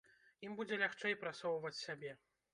Ім будзе лягчэй прасоўваць сябе.